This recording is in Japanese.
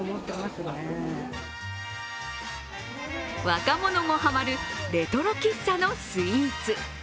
若者もハマるレトロ喫茶のスイーツ。